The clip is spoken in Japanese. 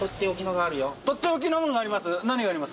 取って置きのものあります？